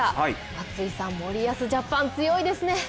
松井さん、森保ジャパン強いですね。